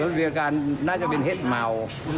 มีอาการน่าจะเป็นเห็ดเมา